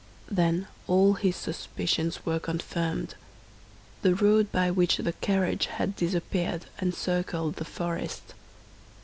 Then all his suspicions were confirmed; the road by which the carriage had disappeared encircled the forest.